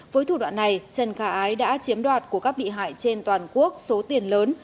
với thủ đoạn này trần khả ái đã chiếm đoạt của các bị hại trên toàn quốc số tiền lớn